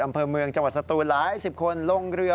อำเภอเมืองจังหวัดสตูนหลายสิบคนลงเรือ